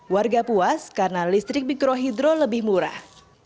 warga puas karena listrik mikrohidro lebih murah